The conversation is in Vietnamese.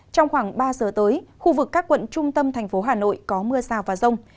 trong khoảng ba giờ tới khu vực các quận trung tâm thành phố hà nội có mưa rào và rông